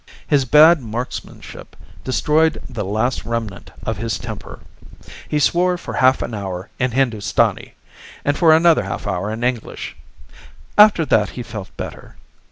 His bad marksmanship destroyed the last remnant of his temper. He swore for half an hour in Hindustani, and for another half hour in English. After that he felt better.